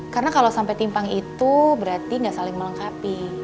karena kalo sampe timpang itu berarti gak saling melengkapi